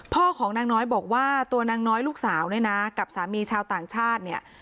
พ่อของนางน้อยบอกว่าตัวนางน้อยลูกสาวเนี่ยนะกับสามีชาวต่างชาติเนี่ย